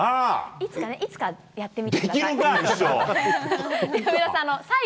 いつか、いつかね、やってみてください。